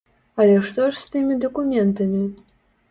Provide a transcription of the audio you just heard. Але што ж з тымі дакументамі?